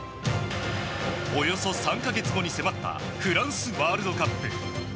およそ３か月後に迫ったフランスワールドカップ。